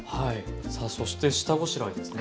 さあそして下ごしらえですね。